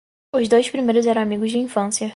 Os dois primeiros eram amigos de infância.